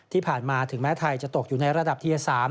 ที่ผ่านมาถึงแม้ไทยจะตกอยู่ในระดับเทีย๓